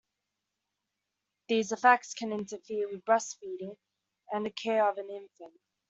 These effects can interfere with breastfeeding and the care of the infant.